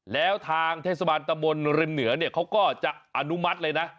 แล้วทางเทศบาลตะบนริมเหนือเนี่ยเขาก็จะอนุมัติเลยนะ